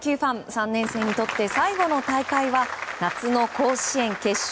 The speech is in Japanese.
３年生にとって最後の大会は夏の甲子園決勝